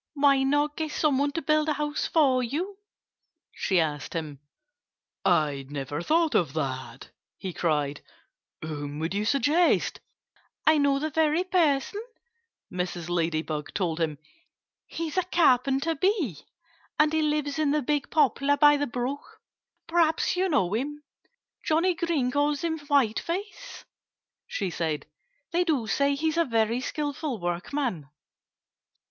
"Why not get some one to build a house for you?" she asked him. "I never thought of that!" he cried. "Whom would you suggest?" "I know the very person!" Mrs. Ladybug told him. "He's a Carpenter Bee; and he lives in the big poplar by the brook. Perhaps you know him. Johnnie Green calls him Whiteface," she said. "They do say he's a very skillful workman."